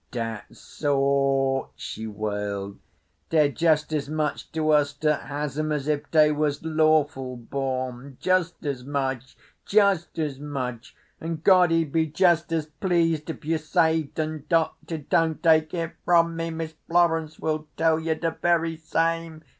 "Dat sort," she wailed—"dey're just as much to us dat has 'em as if dey was lawful born. Just as much—just as much! An' God he'd be just as pleased if you saved 'un, Doctor. Don't take it from me. Miss Florence will tell ye de very same.